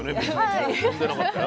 踏んでなかったよ。